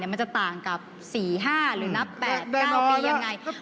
มันจะต่างกับ๔๕หรือนับ๘๙ปียังไง